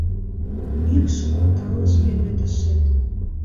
Мӱкш оталыш пеледышет.